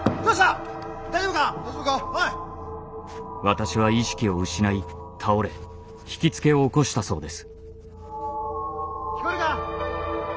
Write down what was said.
私は意識を失い倒れひきつけを起こしたそうです。